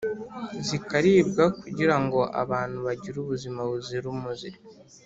zikaribwa kugira ngo abantu bagire ubuzima buzira umuze.